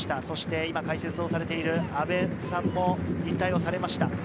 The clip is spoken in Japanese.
そして今、解説をされている阿部さんも引退をされました。